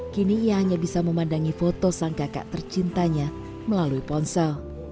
kini ia hanya bisa memandangi foto sang kakak tercintanya melalui ponsel